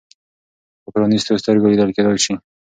په پرانیستو سترګو لیدل کېدای شي.